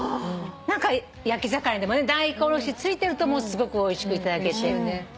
何か焼き魚でもね大根おろしついてるともうすごくおいしく頂けて。